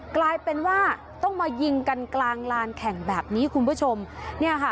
กลายเป็นว่าต้องมายิงกันกลางลานแข่งแบบนี้คุณผู้ชมเนี่ยค่ะ